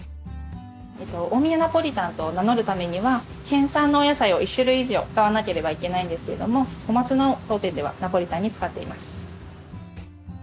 大宮ナポリタンと名乗るためには県産のお野菜を１種類以上使わなければいけないんですけれども小松菜を当店ではナポリタンに使っています。